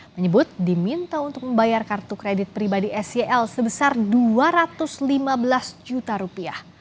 menyebut diminta untuk membayar kartu kredit pribadi sel sebesar dua ratus lima belas juta rupiah